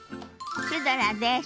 シュドラです。